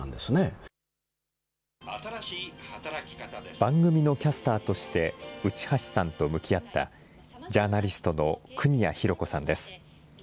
番組のキャスターとして、内橋さんと向き合った、ジャーナリストの国谷裕子さんです。